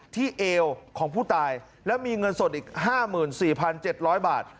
ที่เอวของผู้ตายแล้วมีเงินสดอีกห้ามื่นสี่พันเจ็ดร้อยบาท